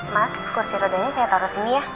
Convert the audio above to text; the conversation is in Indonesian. mas kursi rodanya saya taruh semua ya